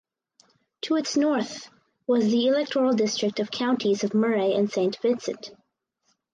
To its north was the Electoral district of Counties of Murray and St Vincent.